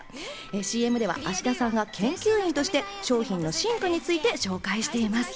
ＣＭでは芦田さんが研究員として商品の進化について紹介しています。